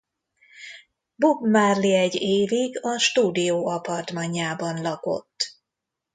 Bob Marley egy évig a stúdió apartmanjában lakott.